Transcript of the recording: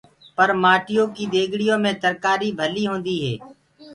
پر مآٽيو ڪي ديگڙيو مي ترڪآري ڀلي هوندي هي۔